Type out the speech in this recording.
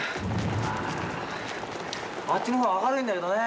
あっちの方は明るいんだけどね。